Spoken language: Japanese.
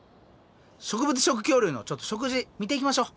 植物食恐竜のちょっと食事見ていきましょう。